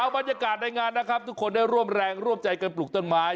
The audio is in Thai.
บรรยากาศในงานนะครับทุกคนได้ร่วมแรงร่วมใจกันปลูกต้นไม้